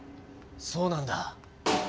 そうなんだ。